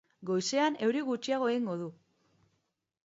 Goizean euri gutxiago egingo du.